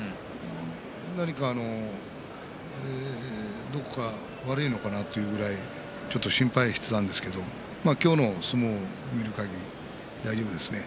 何か、どこか悪いのかなというくらいちょっと心配していたんですが今日の相撲を見るかぎり大丈夫ですね。